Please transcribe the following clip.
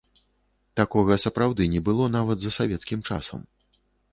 Такога, сапраўды, не было нават за савецкім часам.